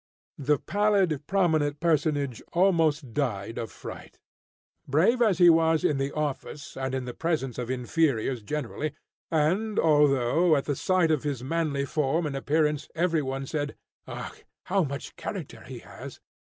The pallid prominent personage almost died of fright. Brave as he was in the office and in the presence of inferiors generally, and although, at the sight of his manly form and appearance, every one said, "Ugh! how much character he has!"